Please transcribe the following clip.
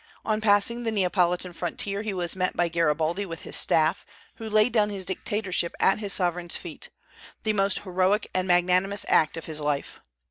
On passing the Neapolitan frontier he was met by Garibaldi with his staff, who laid down his dictatorship at his sovereign's feet, the most heroic and magnanimous act of his life.